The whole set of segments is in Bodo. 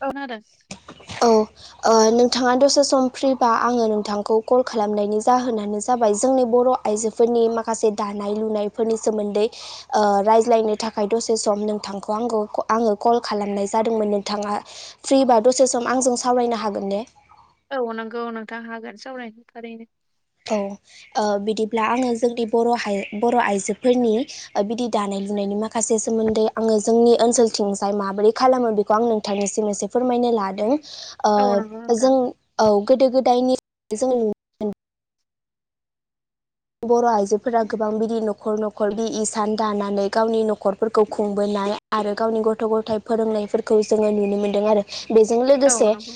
औ खोनादों औ नोंथाङा दसे सम फ्रिबा आङो नोंथांखौ कल खालामनायनि जाहोनानो जाबाय जोंनि बर ' आइजोफोरनि माखासे दानाय लुनायफोरनि सोमोन्दै रायज्लायनो थाखाय दसे सम नों नोंथांखौ आंखौ आङो कल खालामनाय जादोंमोन नोंथाङा फ्रिबा दसे सम आंजों सावरायनो हागोन ने? औ नंगौ नोंथां हागोन जावनाय थारैनो। औ बिदिब्ला आङो जोंनि बर' बर' आइजोफोरनि बिदि दानाय लनायनि माखासे सोमोन्दै आङो जोंनि ओनसोलथिंजाय माबोरै खालामो बेखौ आं नोंथांनिसिम एसे फोरमाय लादों औ नंगौ नोंथां जों औ गोदो गोदायनि जो नुनो मोनदों। बर' आइजोफोरा गोबां बिदि न'खर न'खर बि इसान दानानै गावनि न'खरफोरखौ खुंबोनो आरो गावनि गथ' गथाय फोरोंनायफोरखौ जोङो नुनो मोनदों आरो बेजों औ लोगोसे नंगौ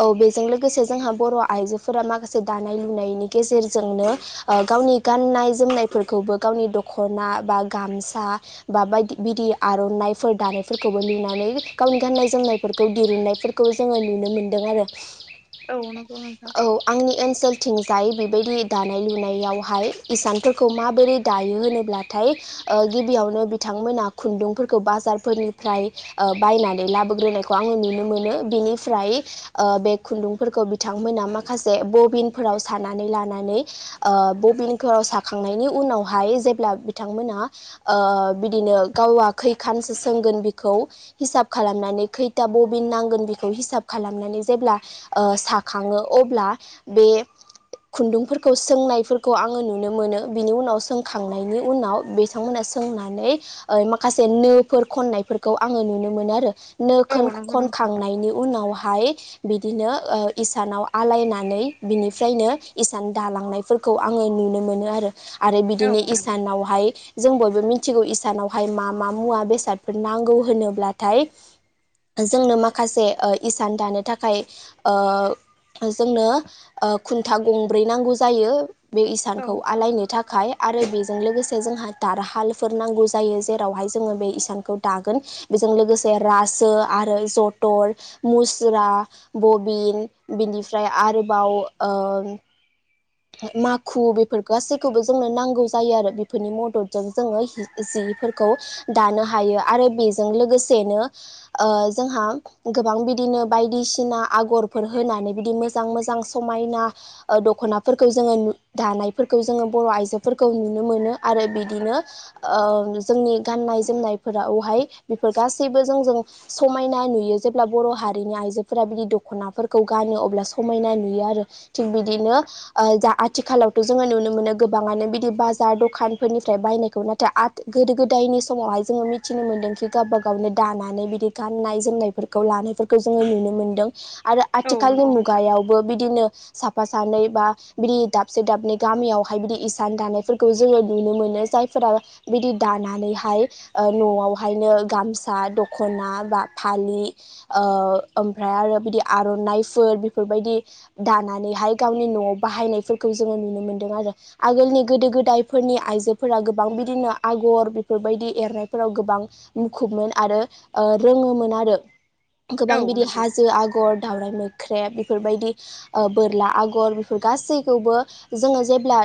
औ बेजों लोगोसे जोंहा बर' आइजोफोरा माखासे दानाय लुनायनि गेजेरजोंनो गावनि गान्नाय जोमनायफोरखौबो गावनि दख'ना बा गामसा बा बायदि बिदि आर'नाइफोर दानायफोरखौबो नुनानै गावनि गान्नाय जोमनायफोरखौ दिरुननायफोरखौ जोङो नुनो मोनो। औ नंगौ नोंथां औ आंनि ओनसोलथिं जाय बेबायदि दानाय लुनाय हाय इसानफोरखौ माबोरै दायो होनोब्लाथाय गिबियावनो बिथांमोना खुन्दुंफोरखौ बाजारफोरनिफ्राय बायनानै लाबोग्रोनायखौ आङो नुनो मोनो बेनिफ्राय बे खुन्दुंफोरखौ बिथांमोना माखासे बबिनफोराव सानानै लानानै ओ बबिनफोराव साखांनायनि उनावहाय जेब्ला बिथांमोना बिदिनो गावा खैखानसो सोंगोन बिखौ, हिसाब खालामनानै खैथा बबिन नांगोन बेखौ हिसाब खालाम खालामनानै जेब्ला, ओ साखाङो अब्ला बे खुन्दुंफोरखौ सोंनायफोरखौ आङो नुनो मोनो बिनि उनाव सोंखांनायनि उनाव बिथांमोना सोंनानै माखासे नो फोर खननायफोरखौ आङो नुनो मोनो आरो नो औ नंगौ नोंथां खनखांनायनि उनावहाय बिदिनो इसानाव आलायनानै बिनिफ्रायनो इसान दालांनाय फोरखौ आङो नुनो मोनो आरो, आरो औ बिदिनो नंगौ इसानावहाय जों बयबो मिथिगौ इसानावहाय मा मा मुवा बेसादफोर नांगौ होनोब्लाथाय जोंनो माखासे इसान दानो थाखाय जोंनो खुन्था गंब्रै नांगौ जायो बे औ इसानखौ आलायनो थाखाय आरो बेजों लोगोसे जोंहा दारहालफोर नांगौ जायो जेरावहाय जोङो बे इसानखौ दागोन। जों‌ लोगोसे रासो आरो जथल मुस्रा बबिन‌ बिनि बेनिफ्राय आरोबाव ओ माखु बेफोर गासैखौबो जोंनो नांगौ जायो आरो, बेफोरनि मददजों जोङो जि दानो हायो आरो बेजों लोगोसेनो जोंहा गोबां बिदि बिदिनो बायदिसिना आगरफोर होनानै मोजां मोजां समायना दख'ना फोरखौ जोङोु दानायफोरखौ जोङो बर' आइजोफोरखौ नुनो मोनो आरो बिदिनो जोंनि गाननाय जोमनायफोरावहाय बेफोर गासैबो जों जों समायना नुयो जेब्ला बर' हारि नि आइजोफोरा बिदि दख'नाफोरखौ गानो अब्ला समायना नुयो आरो थिग बिदिनो जा आथिखालावथ' जोङो नुनो मोनो गोबाङानो बिदि बाजार दखानफोरनिफ्राय बायनायखौ नाथाय गोदो गोदायनि समावहाय जोङो मिथिनो मोनदों खि गावबा गावनो दानानै बिदि गाननाय जोमनायफोरखौ लानो फोरखौ जोङो नुनो मोनदों आरो औ आथिखालनि नंगौ नोंथां मुगायावबो बिदिनो साफा सानै बा बिदि दाबसे दाबनै गामियावहाय बिदि इसान दानायफोरखौ जोङो नुनो मोनो जायफोरा बिदि दानानैहाय न'आवहायनो गामसा दखना बा फालि ओ ओमफ्राय आरो बिदि आर'नाइफोर बेफोरबायदि दानानैहाय गावनि न'आव बाहायनायफोरखौ जोङो नुनो मोन्दों आरो आगोलनि गोदो गोदायफोरनि आइजोफोरा गोबां बिदिनो आ गर बेफोरबायदि एरनायफोराव गोबां मुखुबमोन आरो रोङोमोन आरो। औ गोबां बिदि नंगौ हाजो आगर दावराइ मोख्रेब बेफोरबायदि बोरला आगर गासैखौबो जोङो जेब्ला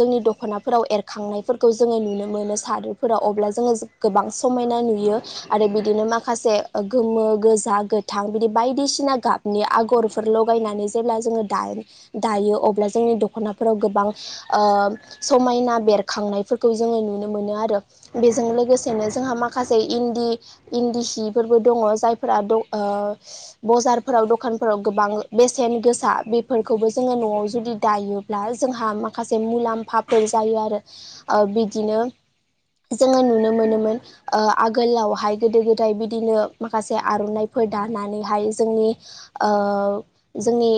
जोंनि दख'नाफोराव एरखांनायफोरखौ जोङो नुनो मोनो साद्रि पोर आव अल्बा जों गोबां समायना नुयो आरो बिदिनो माखासे गोमो गोजा गोथां बिदि बायदिसिना गाबनि आगरफोर लगायनानै जेब्ला जोङो दाइ दायो अब्ला जोंनि दख'नाफोराव गोबां समायना बेरखांनायफोरखौ जोङो नुयो। नुनो मोन आरो बेजों लोगोसेनो जोंहा माखासे इन्दि सिफोरबो दङ जाय बाराव दखानफोराव गोबां बेसेन गोसा बेफोरखौबो जोङो न'आव जुदि दायोब्ला जोंहा माखासे मुलाम्फाफोर जायो आरो बिदिनो द [unintelligible] जोङो नुनो मोनोमोन आगोलावहाय गोदो गोदाय बिदिनो माखासे आर'नाइफोर दानानै हाय जोंनि जोंनि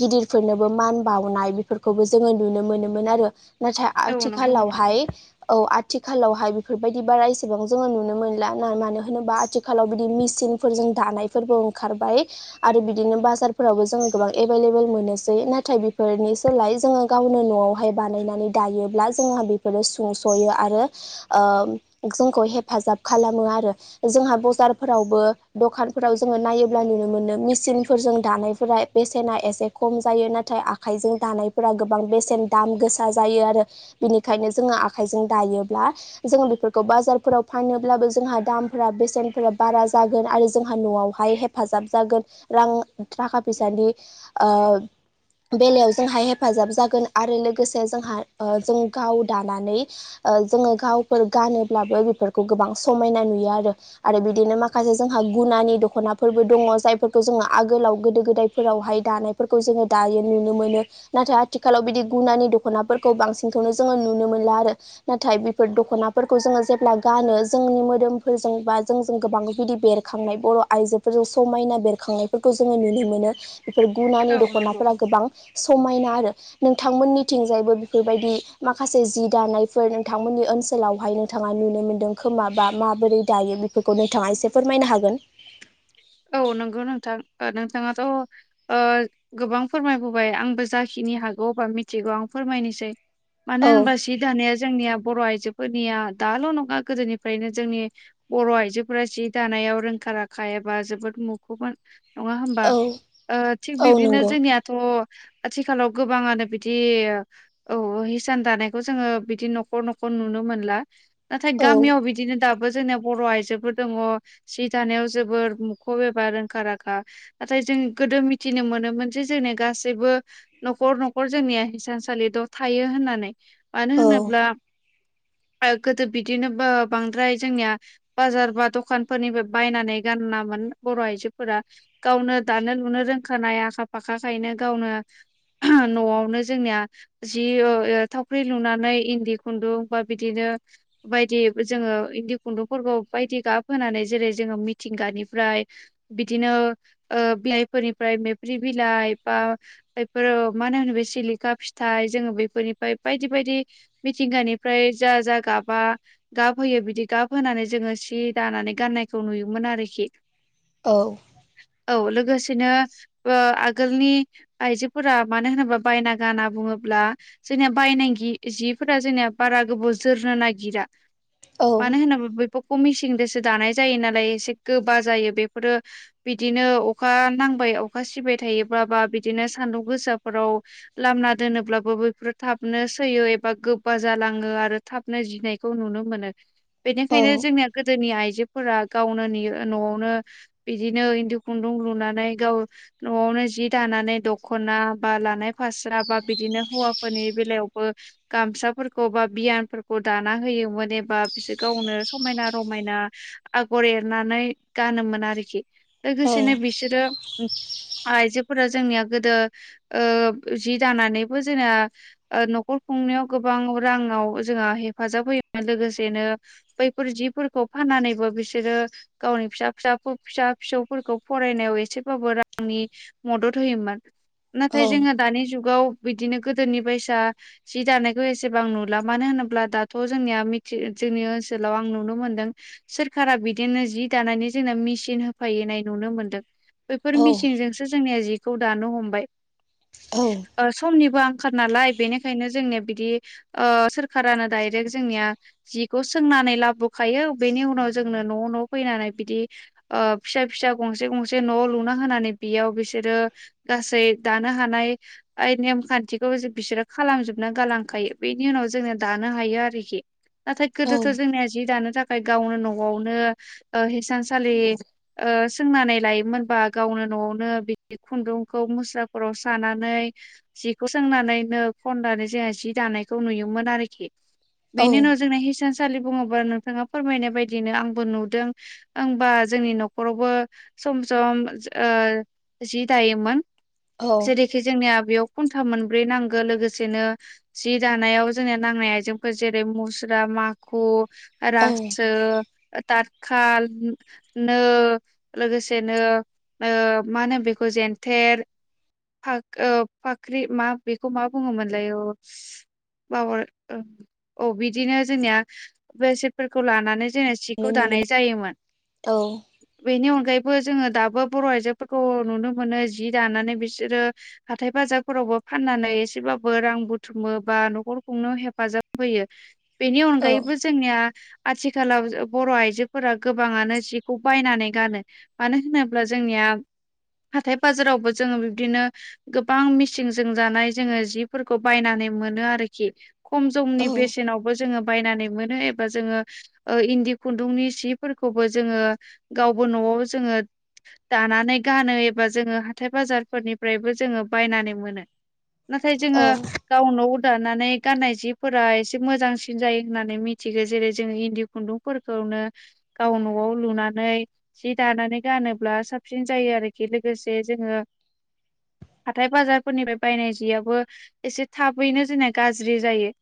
गिदिर फोर फोरनोबो मान बावनाय बेफोरखौबो जोङो नुनो मोनोमोन आरो। नाथाय औ नंगौ नोंथां आथिखालावहाय औ। आथिखालावहाय बेफोरबायदि बारा एसेबां जोङो नुनो मोनला मानो होनोबा आथिखालाव बिदि मेसिनफोर जों दानायफोरबो ओंखारबाय आरो बिदिनो बाजारफोरावबो जों गोबां एभेले एभेले मोनो। नाथाय बेफोरनि सोलाय जोङो गावनो न'आवहाय बानायनानै दायोब्ला जोंहा बेफोरो सुंस' सयो आरो जोंखौ हेफाजाब खालामो आरो, जोंहा बाजारफोरावबो दखाव जों नायोब नुनो मोन मचन फोरजों दानायफोरा बेसेना एसे खम जायो नाथाय आखाइजों दानायफोरा गोबां बेसेन दाम गोसा जायो आरो बिनिखायनो जोंहा आखाइजों दायोब्ला जों बेफोरखौ बाजाराव फानोब्लाबो जोंहा दामफोरा बेसेनफोरा बारा। जगोन आरो जोंहा न'आवहाय हेफाजाब जागोन रां थाखा फैसानि आब बेलायाव जोंहा हेफाजाब जागोन आरो लोगोसे जोंहा ओ जों गाव दानानै ओ जोङो गावफोर गानोब्लाबो बेफोरखौ गोबां समायना नुयो आरो आरो बिदिनो माखासे जोंहा गुनानि दख'नाफोरबो दङ जायफोरखौ जोङो आगोलाव गोदो गोदायफोरावहाय दानायफोरखौ जोङो दायो नुनो मोनो नाथाय आथिखालाव बिदि गुनानि दख'नाफोरखौ बांसिनखौनो जोङो न नुनो मोनला आरो नाथाय बेफोर दख'नाफोरखौ जोङो जेब्ला गानो जोंनि मोदोमफोरजों बा जों जों गोबां बिदि बेरखांनाय बर' आइजोफोरजों समायना बेरखांनायफोरखौ जोङो नुनो मोनो। बेफोर गुनानि औ नंगौ दख'नाफोरा गोबां समायना आरो। नोंथांमोननिथिंजायबो बेफोरबायदि माखासे जि दानायफोर नोंथांमोननि ओनसोलावहाय नोंथां थाङा नुनो मोनदों खोमा बा माबोरै दायो बेफोरखौ नोंथाङा एसे फोरमायनो हागोन? औ नोंगौ नोंथां नोंथाङाथ' ओ गोबां फोरमायबोबाय आंबो जाखि नि हागौ बा मिथिगौ आं फोरमायनोसै मानो औ होमबा सि दानिया जोंनिया बर' आइ जो फोरनिया दाल' नङा गोदोनिफ्रायनो जोंनि बर' आइजोफोरा जि दानायाव रोंखा राखा बा जोबोद मुखोमोन नङा होमबा। औ ओ थिग औ बिब्दिनो नंगौ जोंनियाथ' आथिखालाव गोबाङानो बिदि औ हिसान दानायखौ जोङो बिदि न'खर न'खर नु नोमोनला नाथाय औ गामियाव बिदिनो दाबो जोंनिया बर' आयजोफोर दङ सि दानायाव जोबोर मुखुब एबा रोंखा राखा नाथाय जों गोदो मिथिनो मोनोमोन जे जोंनि गासैबो न'खर न'खर जोंने हिसानसालिथ' थायो होननानै मानो औ होनोब्ला [inaudible] गोदो बिदिनो बो बांद्राय जोंनिया बाजार बा दखानफोरनिबो बायनानै गाना मोन बर' आइजोफोरा गावनो दानो लुनो रोंखानाय आखा फाखाखायनो गावनो [unintelligible] न'आवनो जोंनिया जि ओ आ थावख्रि लुनानै इन्दि खुन्दुं बा बिदिनो बायदि जोङो इन्दि खुन्दुंफोरखौ बायदि गाबहोनानै जेरै जोङो मिथिंगानि फ्राय बिदिनो ओ बिलाइफोरनिफ्राय मेब्रि बिलाइ बा बेफोर [unintelligible] सिलिखा फिथाइ जों बेफोरनिफाय बायदि बायदि मिथिंगानिफ्राय जा जा गाबा गाब होयो बिदि गाब होनानै जोङो सि दानानै गाननायखौ नुयोमोन आरोखि औ। औ लोगोसेनो ओ आगोलनि आइजोफोरा मानो होनोब्ला बायना गाना बुङो ब्ला जोंनिया बायनि जिफोरा जोंनिया बारा गोबाव जोरनो नागिरा। औ मानो होनोब्ला बेफोरखौ मिसिंजोंसो दानाय जायो नालाय एसे गो बाजायो बेफोरो बिदिनो अखा नांबाय अखा सिबाय थायोब्ला बा बिदिनो सानदुं गोसाफोराव लामा दोनोब्लाबो बैफोर थाबनो सैयो एबा गोबबा जालाङो आरो थाबनो जिनायखौ नुनो मोनो औ बेनिखायनो जोंनिया गोदोनि आइजोफोरा गावनो नेयो न'आवनो बिदिनो इन्दु खुन्दुं लुनानै गाव न'आवनो जि दानानै दख' ना बा लानाय फास्रा बा बिदिनो हौवाफोरनि बेलायावबो गामसाफोर बा यानफोरखौ दाना होयोमोन एबा बिसोर गावनो समायना रमायना आगर एरनानै गानोमोन आरोखि औ लोगोसेनो बिसोरो आइजोफोरा जोंनिया गोदो ओ जि दानानैबो जोंना न'खर खुंनायाव गोबां रांआव जोंहा हेफाजाब होयोमोन लोगोसेनो बैफोर जिफोरखौ फानानैबो बिसोरो गावनि फिसा फिसा फिसा फिसौफोरखौ फरायनायाव एसेबाबो रा रांनि मदद होयोमोन नाथाय औ जोङो दानि जुगाव बिदिनो गोदोनि बायसा जि दानायखौ एसेबां नुला मानो होनोब्ला दाथ' जोंनिया मिथि जोंनि ओनसोलाव आं नुनो मोनदों सोरखारा बिदिनो जि दानानै जोंना मिसिन होफैनाय नुनो मोनदों बेैफोर मिसिनजोंसो जोंनिया खौ दानो हमबाय ओ समनिबो आंख नालाय बेनिखायनो जोंने बिदि ओ सोरखारानो दडायरेक्ट जोंनिया जिखौ सोंनानै लाबोखायो बेनि उनाव जोंनो न' न' फैनानै बिदि ओ फिसा फिसा गंसे गंसे न' लुना होनानै बेयाव बिसोरो गासै दानो हानाय नेम खान्थिखौ बिसोरो खालामजोबना गालांखायो बेनि उनाव जोंनिया दानो हायो आरोखि नाथाय गोदोथ' जोंनिया जि दानो थाखाय गावनो न'आवनो ओ‌ हेसानसालि ओ सोंनानै लायोमोनबा गावनो न'आवनो बि खुन्दुंखौ मुस्राफोराव सानानै जिखौ सोंनानैनो खननानै जोंहा जि दानायखौ नुयोमोन। आरोखि औ बेनि उनाव जोंना हिसानसालि बुङोबा नोंथाङा फोरमायनाय बायदिनो आंबो नुदों होमबा जोंनि न'खरावबो सम सम ओ जि दायोमोन औ जेरैखि जोंनिया बेयाव घन्टा मोनब्रै नांगौ लोगोसेनो जि दानायाव जोंनिया नांनाय आइजेंफोर जेरै मुस्रा माखु औ रासो थार साल, नो लोगोसेनो ओ मा होनो बेखौ जेनथे ओ फाख्रि मा बेखौ मा बुङोमोनल ब औ बिदिनो जोंनिया बेसेथफोरखौ लानानै सिखौ नुनो मोनो दानाय जायोमोन औ। बेनि अनगायैबो जोङो दाबो बर' आइजोफोरखौ नुनो मोनो जि दानानै बिसोरो हाथाय बाजार रफोरावबो फाननानै एसेबाबो रां बुथुमो बा न'खरखौनो हेफाजाब होयो। बेनि औ अनगायैबो जोंनिया आथिखालाव बर' आइजो फोरा गोबाङानो जिखौ बायनानै गानो मानो होनोब्ला जोंनिया हाथाय बाजारावबो जोङो बिब्दिनो गोबां मिसिंजों जानाय जोङो जिफोरखौ बायनानै मोनो आरोखि खम जमनि औ बेसेनावबो जोङो बायनानै मोनो एबा जोङो ओ इन्दि खुन्दुंनि सिफोरखौबो जोङो गावबो न'आव जोङो दानानै गानो एबा जोङो हाथाय बाजारफोरनिफ्रायबो जोङो बायनानै मोनो। नाथाय जोङो औ गावनाव दानानै गाननाय जिफोरा एसे मोजांसिन जायो होननानै मिथिगौ जेरै जोङो इन्दि खुन्दुंफोरखौनो गाव न'आव लुनानै जि दानानै गानोब्ला साबसिन जायो आरोखि लोगोसे जोङो [inaudible] हाथाय बाजारफोरनिफ्राय बायनाय जियाबबो एसे थाबैनो जोंना गाज्रि जायो।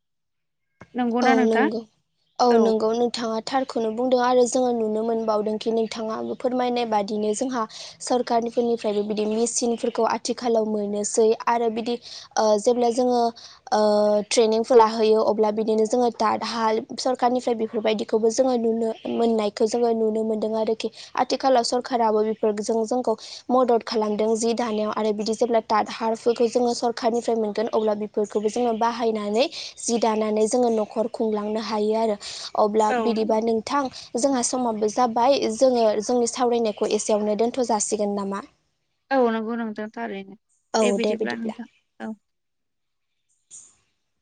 औ नंगौना नोंथां? नंगौ औ नंगौ नोंथाङा थारखौनो बुंदों आरो जोङो नुनो मोनबावदोंखि नोंथाङाबो फोरमायनाय बादिनो जोंहा सरखारनि फोरनिफ्रायबो बिदि मिसिन फोरखौ आथिखालाव मोनोसै आरो बिदि ओ जेब्ला जोङो ओ थ्रेनिंखौ लाहोयो अब्ला बिदिनो जोङो दात हाल सरखारारनिफ्राय बेफोरबायदिखौबो जोङो नुनो मोननायखौ जोङो नुनो मोनदों आरोखि। आथिखालाव सरखाराबो बेफोर जों जोंखौ मदद खालामदों जि दानायाव आरो बिदि जेब्ला थाद फोरखौ जोङो सरखारनिफ्राय मोनगोन अब्ला बेफोरखौबो जोङो बाहायनानै जि दानानै जोङो नखर खुंलांनो हायो आरो अब्ला औ बिदिबा नंगौ नोंथां जों हा हासमाबो जाबाय जोङो जोंनि सावरायनायखौ एसेयावनो दोन्थ' जासिगोन नामा? औ नंगौ नोंथां थारैनो दे बिदिब्ला नोंथां औ। [inaudible]